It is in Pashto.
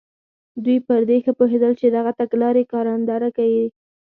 دوی پر دې ښه پوهېدل چې دغه تګلارې کارنده نه دي.